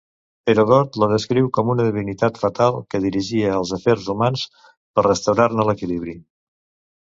Heròdot la descriu com una divinitat fatal que dirigia els afers humans per restaurar-ne l'equilibri.